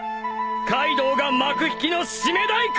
カイドウが幕引きの締め太鼓！